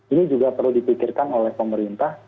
ini juga perlu dipikirkan oleh pemerintah